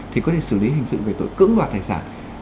thì có thể xử lý hình sự về tội cưỡng loạt thải sản